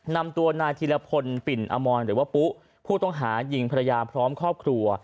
นำตัวนายธีรพลปิ่นอมรหรือว่าปุ๊ผู้ต้องหายิงภรรยาพร้อมครอบครัว